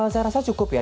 saya rasa cukup ya